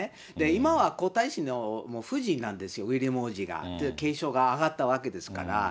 今は皇太子のもう夫人なんですよ、ウィリアム王子が、継承が上がったわけですから。